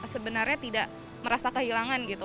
sebenarnya tidak merasa kehilangan gitu